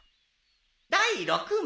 第６問。